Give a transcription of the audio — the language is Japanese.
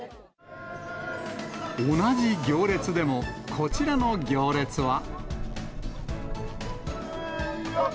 同じ行列でも、こちらの行列は。